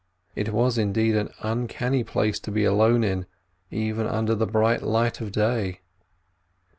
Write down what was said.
It was indeed an uncanny place to be alone in even under the broad light of day.